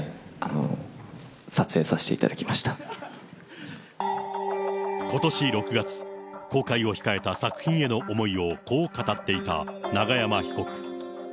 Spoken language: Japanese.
はい、ことし６月、公開を控えた作品への思いをこう語っていた永山被告。